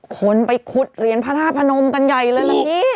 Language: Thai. คนไปขุดเหรียญพระธาตุพนมกันใหญ่เลยล่ะพี่